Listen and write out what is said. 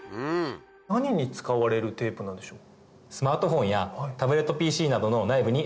何に使われるテープなんでしょう？